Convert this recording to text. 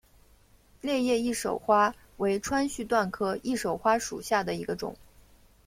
裂叶翼首花为川续断科翼首花属下的一个种。